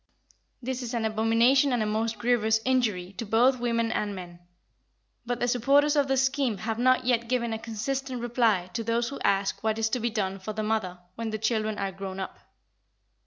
This is an abomination and a most grievous injury to both women and men. But the supporters of the scheme have not yet given a consistent reply to those who ask what is to be done for the mother when the children are grown up.